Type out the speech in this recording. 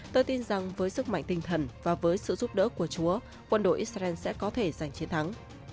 tôi tin rằng với sức mạnh tinh thần và với sự giúp đỡ của chúa quân đội israel sẽ có thể giành chiến thắng